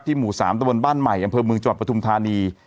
หมู่๓ตะบนบ้านใหม่อำเภอเมืองจังหวัดปฐุมธานี